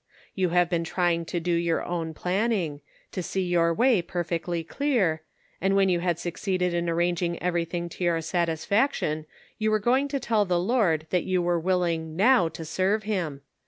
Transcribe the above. You have been trying to do your own planning; to see your way perfectly clear, and when you had succeeded in arranging everything to your satisfaction, you were going to tell the Lord that you were willing now to serve him.